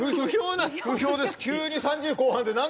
不評です。